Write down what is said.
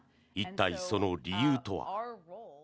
一体、その理由とは。